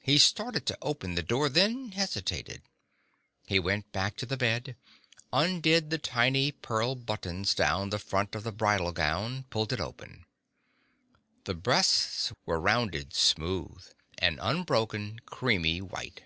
He started to open the door, then hesitated. He went back to the bed, undid the tiny pearl buttons down the front of the bridal gown, pulled it open. The breasts were rounded, smooth, an unbroken creamy white